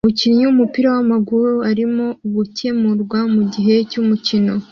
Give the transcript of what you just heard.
Umukinnyi wumupira wamaguru urimo gukemurwa mugihe cyumukino